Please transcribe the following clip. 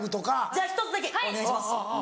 じゃあ１つだけお願いします。